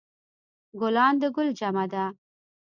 ګلان د ګل جمع ده